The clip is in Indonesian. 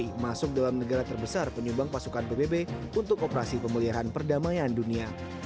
indonesia masuk dalam negara terbesar penyumbang pasukan pbb untuk operasi pemeliharaan perdamaian dunia